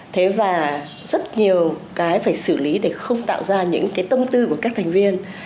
thế và rất nhiều cái phải xử lý để không tạo ra những cái tâm tư của các thành viên